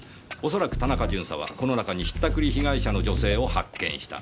恐らく田中巡査はこの中に引ったくり被害者の女性を発見した。